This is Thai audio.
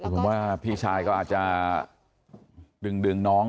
ผมว่าพี่ชายก็อาจจะดึงน้อง